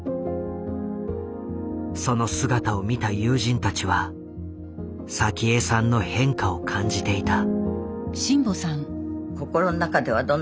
その姿を見た友人たちは早紀江さんの変化を感じていた。